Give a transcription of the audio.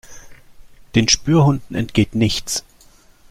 Den Spürhunden entgeht nichts.